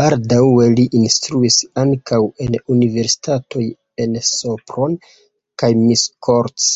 Baldaŭe li instruis ankaŭ en universitatoj en Sopron kaj Miskolc.